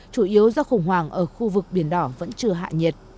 chủ yếu do khủng hoảng ở khu vực biển đỏ vẫn chưa hạ nhiệt